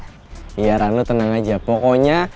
hiaran lo tenang aja pokoknya